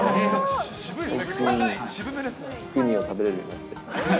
最近、うにを食べられるようになって。